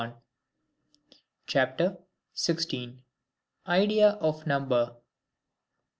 CHAPTER XVI. IDEA OF NUMBER.